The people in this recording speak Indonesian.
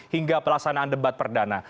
hingga pelaksanaan debat perdana